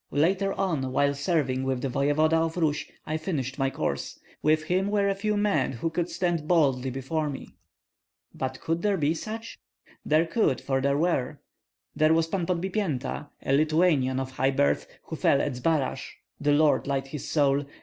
Later on, while serving with the voevoda of Rus, I finished my course. With him were a few men who could stand boldly before me." "But could there be such?" "There could, for there were. There was Pan Podbipienta, a Lithuanian of high birth, who fell at Zbaraj, the Lord light his soul!